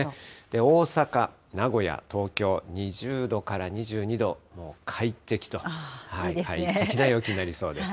大阪、名古屋、東京、２０度から２２度、快適と、快適な陽気となりそうです。